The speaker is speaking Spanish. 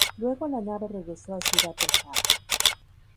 Luego la nave regresó a Ciudad del Cabo.